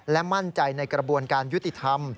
และมั่นใจในกระบวนการยุติธรรม